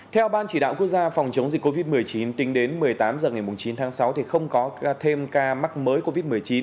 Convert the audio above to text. theo ban chỉ đạo quốc gia phòng chống dịch covid một mươi chín tính đến một mươi tám h ngày chín tháng sáu không có thêm ca mắc mới covid một mươi chín